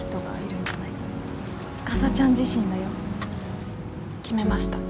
かさちゃん自身だよ。決めました。